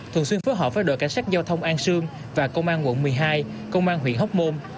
thường xuyên phối hợp với đội cảnh sát giao thông an sương và công an quận một mươi hai công an huyện hóc môn